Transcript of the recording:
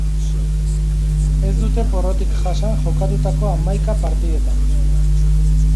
Ez dute porrotik jasan jokatutako hamaika partidetan.